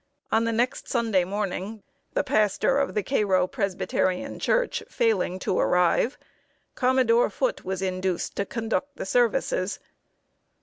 On the next Sunday morning, the pastor of the Cairo Presbyterian Church failing to arrive, Commodore Foote was induced to conduct the services.